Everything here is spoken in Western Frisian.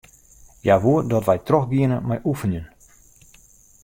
Hja woe dat wy trochgiene mei oefenjen.